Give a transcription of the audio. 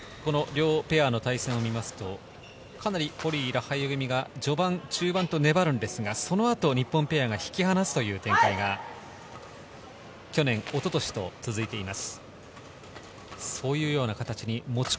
直近の２試合、両ペアの対戦を見ると、かなりポリイ、ラハユ組が序盤中盤と粘るんですが、その後、日本ペアが引き離すという展開が去年、一昨年と続いています。